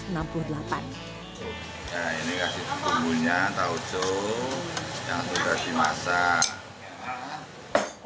nah ini kasih bumbunya tauco yang sudah dimasak